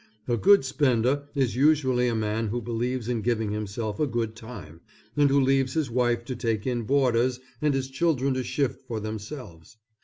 A good spender is usually a man who believes in giving himself a good time, and who leaves his wife to take in boarders and his children to shift for themselves.